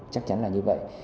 chắc chắn là như vậy